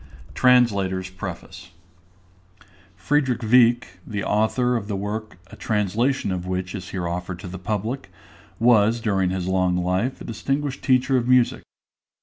_ TRANSLATOR'S PREFACE. FRIEDRICH WIECK, the author of the work a translation of which is here offered to the public, was during his long life a distinguished teacher of music.